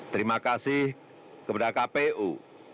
terima kasih kepada kpu